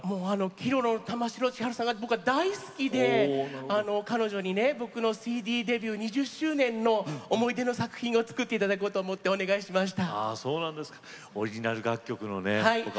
Ｋｉｒｏｒｏの玉城千春さんが僕は大好きで彼女に僕のＣＤデビュー２０周年の思い出の作品を作っていただこうと思ってお願いしました。